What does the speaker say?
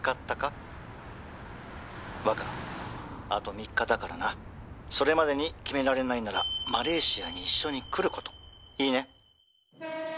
和華あと３日だからなそれまでに決められないならマレーシアに一緒に来ることいいね？